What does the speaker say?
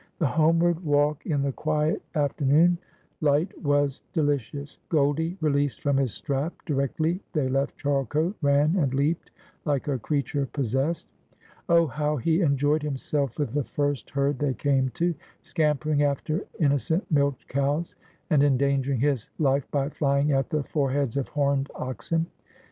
The homeward walk in the quiet afternoon light was deli cious. Goldie, released from his strap directly they left Charle cote, ran and leapt like a creature possessed. Oh, how he enjoyed himself with the first herd they came to, scampering after inno cent milch cows, and endangering his life by flying at the fore heads of horned oxen